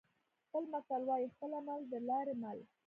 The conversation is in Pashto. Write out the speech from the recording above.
بل متل وايي: خپل عمل د لارې مل.